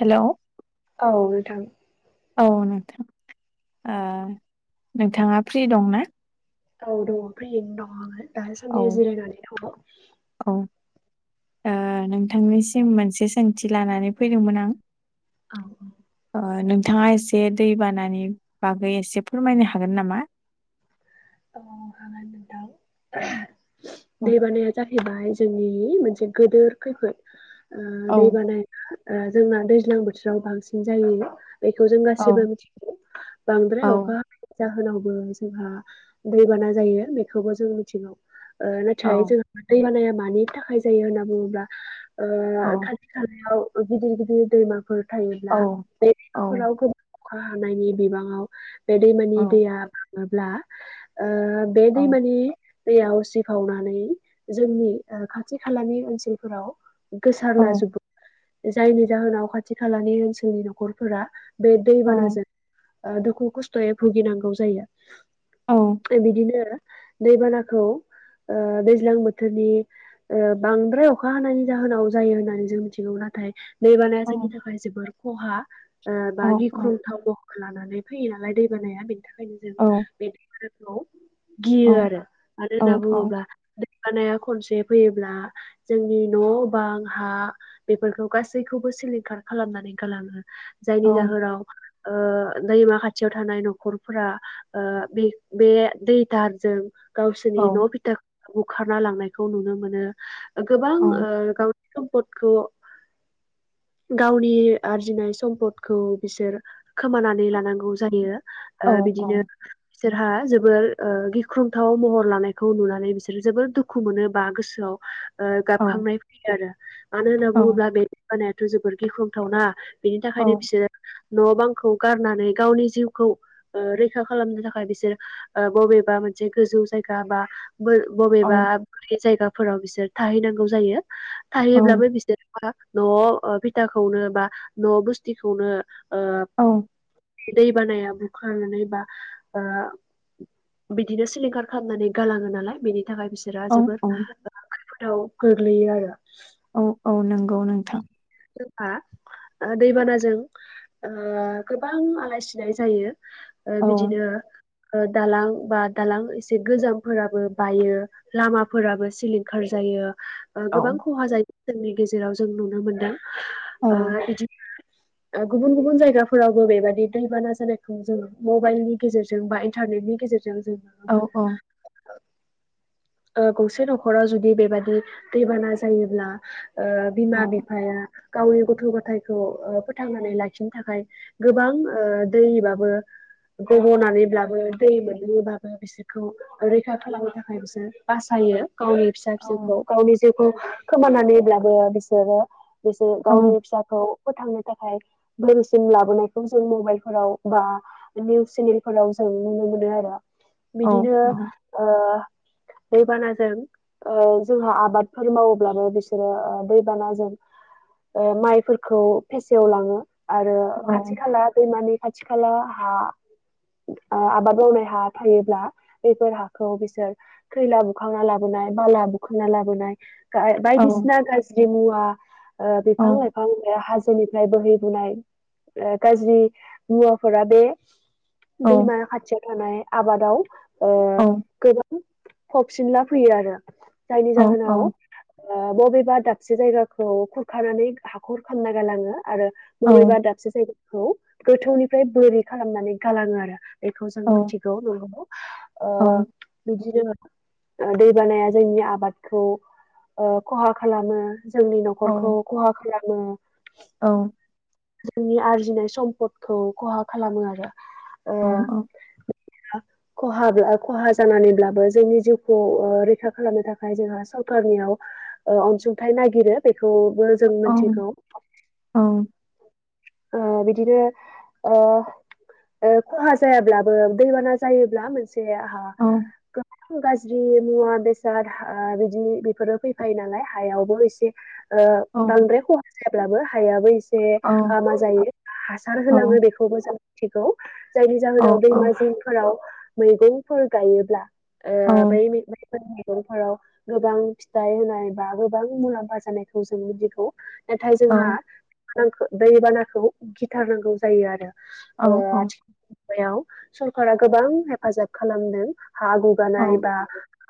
Hello औ नोंथां। औ नोंथां ओ नोंथाङा फ्रि दं ना? औ दङ फ्रियैनो दङ आङो औ दासान्दि जिरायनानै दङ। औ ओ नोंथांनिसिम मोनसे सोंथि लानानै फैदोंमोन आं औ औ ओ नोंथाङा एसे दैबानानि बागै एसे फोरमायनो हागोन नामा? औ हागोन नोंथां औ दैबानाया जाहैबाय जोंनि मोनसे गोदोर खैफोद उम औ दैबाना ओ जोंना दैज्लां बोथोराव बांसिन जायो। बेखौ जों गासैबो औ मिथिगौ बांद्राय औ अखा जाहोनावबो जोंहा दैबाना जायो बेखौबो जों मिथिगौ ओ नाथाय औ जोंहा दै बानाया मा मानि थाखाय जायो होनना बुङोब्ला ओ औ खाथि खालायाव गिदिर गिदिर दैमाफोर औ थायोब्ला औ बेफोराव गोबां अखा हानायनि बिबाङाव बे दैमानि औ दैया बाङोब्ला ओ बे दैमानि दैया उसिफावनानै जोंनि ओ खाथि खालानि ओनसोलफोराव औ गोसारलाजोबो जायनि जाहोनाव खाथि खालानि ओनसोलनि न'खरफोरा बे दैबानाजों ओ दुखु खस्थ'यै भुगिनांगौ जायो। औ बिदिनो दैबानाखौ दैज्लां बोथोरनि बांद्राय अखा हानायनि जाहोनाव जायो होननानै जों मिथिगौ नाथाय दै बानाया जोंनि थाखाय जोबोर खहा औ बा गिख्रंथाव लानानै फैयो नालाय दैबानाया बेनि थाखायनो जों बे दैबानाखौ औ गियो आरो मानो होनना बुङोब्ला ानाया खनसे फैयोब्ला जोंनि न' बां हा बेफोरखौ गासैखौबो सिलिंखार खालामनानै गाङो जायनि जाहोनाव दैमा खाथियाव थानाय न'खरफोरा बे बे दै थारजों औ गावसोरनि न' फिथा बुखारना लांनायखौ नुनो मोनो गोबां गाव बखौ [inaudible] गावनि आरजिनाय सम्फदखौ बिसोर खोमानानै लानांगौ जायो बिदिनो बिसोरहा जोबोर गिख्रंथाव महर लानायखौ नुनानै बिसोरो जोबोर दुखु मोनो बा गोसोआव गाबखांनाय फैयो आरो मानो होनना बुङोब्ला बे बानायाथ' जोबोर गिख्रंथावना बेनि थाखायनो बिसोरो न' बांखौ गारनानै गावनि जिउखौ रैखा खालामनो थाखाय बि बबेबा मोनसे गोजौ जाया बा बबेबा जाया फोराव बिसोर थाहैनांगौ जायो थाहैब्लाबो बिसोर न'आव फिथाखौनो बा न' बुस्थिखौनो औ दै बानाया बुखारनानैबा बिदिनो सिलिंखार खालामनानै गालाङो नालाय बिनि नि थाखाय बिसोरा औ जोबोोर औ खैफोदाव गोग्लैयो आरो औ औ नंगौ नोंथां जबा दैबानाजों गोबां आलाय सिलाय जायो ओ औ बिदिनो दालां बा दालां एसे गोजामफोराबो बायो लामाफोराबो सिलिंखार जायो औ गोबां खहा जायो जोंनि गेजेराव जों नुनो मोनदों औ बिदि ओ गुबुन गुबुन जायगाफोरावबो बेबादि दैबाना जानायखौ जों मबाइलनि गेजेरजों बा इन्टारने नि गेजेरजों औ जोंा म [unintelligible] औ ओ गंसे न'खराव जुदि बेबादि दैबाना जायोब्ला ओ बिमा बिफाया गावनि गथ' गथायखौ ओ फोथांनानै लाखिनो थाखाय गोबां ओ दैबाबो गब'नानैब्लाबो दै मोनब्लाबो बिसोरखौ रैखा खालामनो थाखाय बिसोर बासायो गावनि फिसा औ फिसौखौ गावनि जिउखौ खोमानानैब्लाबो बिसोरो बिसोर औ गावनि फिसाखौ ो थांनो थाखाय भसिन लाबोनायखौ जों मबाइल फोराव बा निस चेनेलाव ज जों नुनो मोनो आरो औ बिदिनो [inaudible] दैबानाजों जोंहा आबादफोर मावोब्लाबो बिसोरो दैबानाजों माइफोरखौ फेसेयाव लाङो आरो औ खाथि खाला दैमानि आजखाल हा आबाद मावनाय हा थायोब्ला बेफोर हाखौ बिसोर खैला बुखांना लाबोनो बाला बुख'ना लाबोनाय औ बायदिसिना गाज्रि मुवा बिफां लाइफां हाज निफ्राय बोहैबोनाय गाज्रि मुवाफोरा बे औ दैमा खाथियाव थानाय आबादाव औ गोबां फबफिनला फैयो आरो जायनि औ औ जाहोनाव बबेबा दाबसे जायगाखौ खुरखानानै हाखर खालामना गालाङो आरो औ बबेबा दाबसे जायगाखौ गोथौनिफ्राय बोरि खालामनानै गालाङो आरो बेखौ जों औ मिथिगौ नोंगौ औ ओ बिदिनो दैबानाया जोंनि आबादखौ ओ खहा खालामो जोंनि न'खरखौ औ खहा खालामो औ जोंनि आरजिनाय सम्पदखौ खहा खालामो आरो औ औ [unintelligible] [inaudible] खहा बा खहा जानानैब्लाबो जोंनि जिउखौ ओ रैखा खालामनो थाखाय जोंहा सरखारनियाव ओ अनसुंथाइ नायगिरनाय खौबो जों मिथिगौ ओ बिदिनो ओ ओ खहा जायाब्लाबो दैबाना जायोब्ला मोनसे ओ गो बां गाज्रि मुवा बेसाद हा बिदिनो बेफोरो फैफायो नालाय हायावबो एसे ओ बांद्राय खहा जाब्लाबो हायाबो एसे हामा जायो, हासार होलाङो बेखौ मोजां मिथिगौ जायनि जाहोनाव दैमा जिंफोराव मैगंफोर गायोब्ला ओ बै मैगंफोराव गोबां फिथाइ होनाय बा गोबां मुलाम्फा जानायखौ जों मिथिगौ नाथाय जोंहा दैबानाखौ गिथारनांगौ जायो आरो ओ आथिखाल मुगायाव सरखारा गोबां हेफाजाब खालामदों हा गुगानाय बा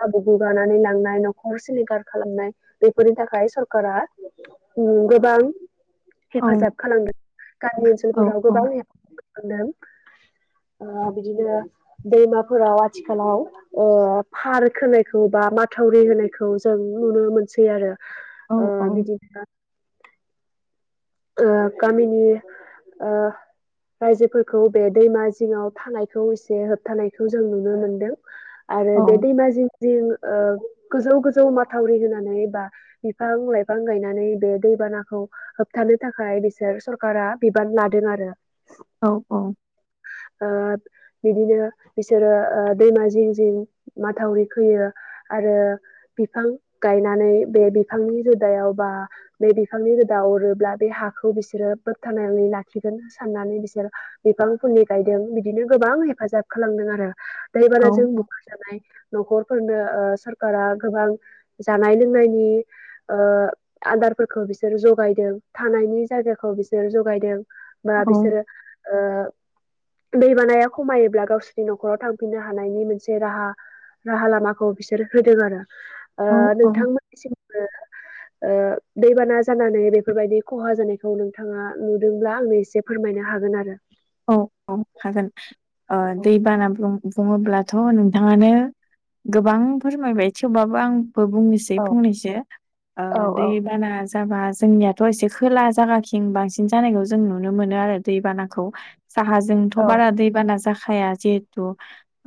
हा गुगानानै लांनाय न'खर सिलिंखार खालामनाय बेफोरनि थाखाय सरकारा उम गोबां हेफाजाब खालामदों गामि ओनसोलफोराव गोबां हेफाजाब खालामदों ओ बिदिनो दैमाफोराव आथिखालाव ओ फार खोनायखौ बा माथावरि होनायखौ जों नुनो मोनसै आरो ओ बिदिनो ओ गामिनि ओ रायजोफोरखौ बे दैमा जिङाव थानायखौ एसे होबथानायखौ जों नुनो मोनदों आरो बे दैमा जिं जिं ओ गोजौ गोजौ माथावरि होनानै बा बिफां लाइफां गायनानै बे दैबानाखौ होबथानो थाखाय बिसोर सरखारा बिबान लादों आरो औ औ ओ बिदिनो बिसोरो ओ दैमा जिं जिं माथावरि खोयो आरो बिफां गायनानै बे बिफांनि रोदायाव बा बे बिफांनि दा बे हाखौ बिसोरो बोखथाबनानै लाखिगोन साननानै बिसोर बिफां फुलि गायदों बिदिनो गोबां हेफाजाब खालामदों आरो दैबानाजों बुखार जानाय न'खरफोरनो ओ सोरखारा गोबां जानाय लोंनायनि ओ आदार फोरखौ बिसोरो जगायदों थानायनि जायगाखौ बिसोरो जगायदों बा बिसोरो दैबानाया खमायोब्ला गावसोरनि न'खराव थांफिननो हानायनि मोनसे राहा राहा लामाखौ बिसोरो होदों आरो ओ औ औ नोंथांमोननिसिमबो दैबाना जानानै बेफोरबायदि खहा जानायखौ नोंथाङा नुदोंब्ला आंनो एसे फोरमायनो हागोन आरो औ औ हागोन ओ औ दैबाना बुं बुङोब्लाथ' नोंथाङानो गोबां फोरमायबाय थेवबाबो आं बो बुंनोसै औ फंनैसो ओ औ दै बाना जाबा जोंनियाथ' एसे खोला जागाखिं बांसिन जानायखौ जों नुनो मोनो आरो दैबानाखौ साहाजोंथ' औ बारा दैबाना जाखाया जिहेथु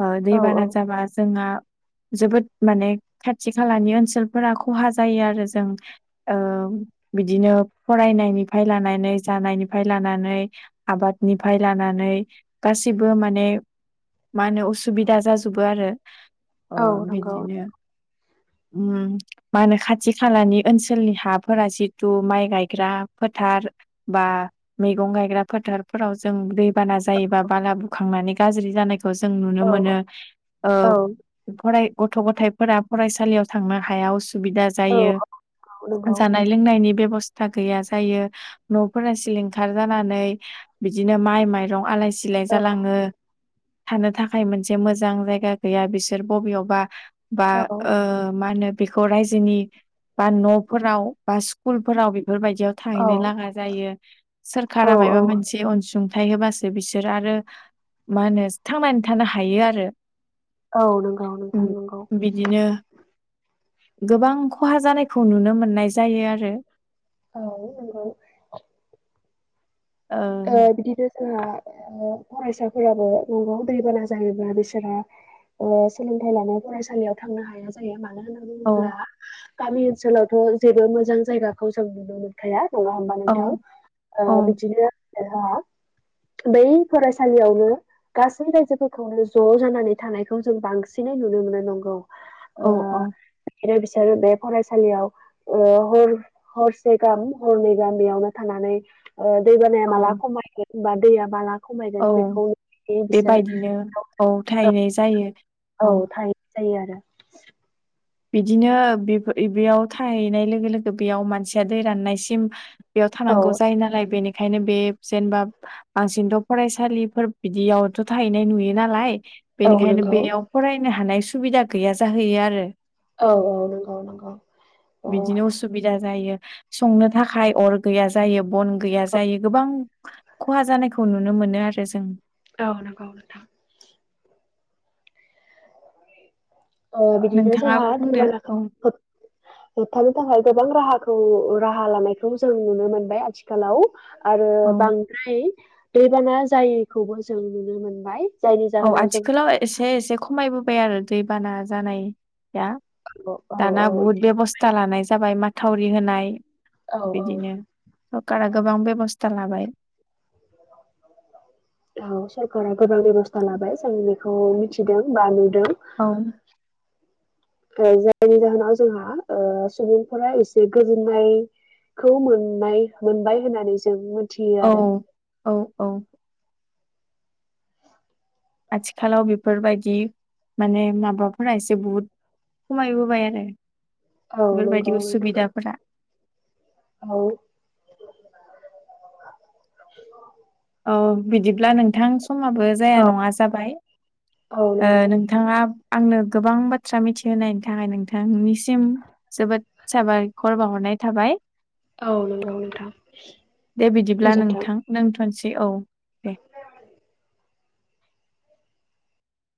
ओ औ दैबाना औ जाबा जोंहा जोबोद माने खाथि खालानि ओनसोलफोरा खहा जायो आरो जों ओ बिदिनो फरायनायनिफ्राय लानानै जानायनिफ्राय लानानै आबादनि फाय लानानै गासैबो माने मा होनो उसुबिदा जाजोबो आरो अ औ नंगौ बिदिनो ओम मा होनो खाथि खालानि ओनसोलनि हाफोरा जितु माइ गायग्राफोर फोथार बा मैगं गायग्रा फोथारफोराव जों दैबाना जायोबा बाला बुखांनानै गाज्रि जानाय खौ जों नुनो औ मोनो ओ औ फराय गथ' गथाइफोरा फरायसालियाव थांनो हायाव सुबिदा जायो औ नंगौ जानाय लोंनायनि बेबस स्रां गैया जायो न'फोरा सिलिंखार जानानै बिदिनो माइ माइरं आंलाय सिलाय सिलाय औ जालाङो थानो थाखाय मोनसे मोजां जायगा गैया बिसोर बबेयावबा बा औ ओ मा होनो बेखौ रायजोनि बा न'फोराव बा स्कुलफोराव बेफोरबायदियाव थाहैनो लागा जायो सोरखारा औ औ मायबा मोनसे अनसुंथाइ होबासो बिसोर आरो मा होनो थांनानै थानो हायो आरो औ नंगौ नोंथां नंगौ ओम बिदिनो गोबां खहा जानायखौ नुनो मोननाय जायो आरो औ नंगौ ओ बिदिनो फरायसाफोराबो दंगआव दैबाना जायोब्ला बिसोरा ओ‌ सोलोंथाइ लानो फरायसालियाव थांनो हाया जायो मा मानो होनना ओ बुङोब्ला गामि ओनसोलावथ' जेबो मोजां जायगाखौ जों नुनो मोनखाया नङा होमबा औ नोंथां औ ओ बिदिनो होआ बै फरायसालियावनो गासै रायजोफोरखौनो ज' जानानै थानायखौ जों बांसिन नै नुनो मोनो नंगौ ओ औ औ आरो बिसोरो बे फरायसालियाव ओ हर हरसे गाहाम हरनै गाहाम बेयावनो थाना नै‌ ओ दै बानाया औ माला खमायगोन दैया माला खमायगोन औ बेखौ बिसोर बेबायदिनो औ थाहैनाय जायो औ थाहैनाय जायो आरो बिदिनो बे बेयाव थाहैनाय लोगो लोगो बेयाव मानसिया दै राननायसिम बेयाव औ थानांगौ जायो नालाय बेनि खायनो बे जेनेबा बांसिनथ' फरायसालिफोर बिदियावथ' थाहैनाय नुयो नालाय औ बेनिखायनो नंगौ बेयाव फरायनो हानाय सुबिदा गैया जाहैयो आरो औ औ नंगौ नंगौ ओ बिदिनो उसुबिदा जायो संनो थाखाय अर गैया जायो बन गैया जायो गोबां खहा जानायखौ नुनो मो मोनो आरो जों औ नंगौ नोंथां ओ बिदिनो नोंथाङा जोंहा बुंदो दैबाना औ खौ होबथानो थाखाय गोबां राहाखौ राहा लानायखौ जों नुनो मोनबाय आथिखालाव आरो औ बांद्राय दैबाना जायैखौबो जों नुनो मोनबाय जायनि औ जाहोनाव जों आथिखालाव एसे एसे खमायबोबाय आरो दैबाना जानाय दा औ औ दाना औ बुहुद बेब'स्था लानाय जाबाय माथावरि होनाय औ बिदिनो सरकारा औ गोबां बेब'स थां लाबाय औ सरकारा गोबां बेब'स्था लाबाय जों बेखौ मिथिदों बा नुदों औ जायनि जाहोनाव जोंहा ओ सुबुंफोरा एसे गोजोननाय खौ मोननाय मोनबाय होननानै जों मोनथियो औ आरो औ औ आथिखालाव बेफोरबायदि माने माबाफोरा एसे बुहुद खमायबोबाय आरो औ नंगौ बेफोरबायदि नोंथां उसुबिदाफोरा औ औ बिदि अब्ला नोंथां समाबो जाया औ नङा जाबाय औ ओ नंगौ नोंथाङा आंनो गोबां बाथ्रा मिथिहोनायनि थाखाय नोंथांनिसिम जोबोद साबायखर बाहरनाय थाबाय औ नंगौ नोंथां दे बिदिब्ला गोजोन्थों नोंथां नोंथ होनसै औ दे